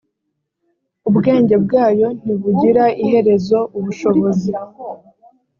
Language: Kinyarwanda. ubwenge bwayo ntibugira iherezo ubushobozi